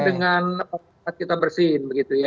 dengan kita bersin begitu ya